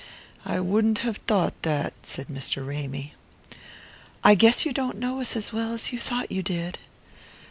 "I wouldn't have thought that," said Mr. Ramy. "I guess you don't know us as well as you thought you did."